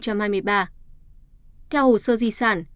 theo hồ sơ di sản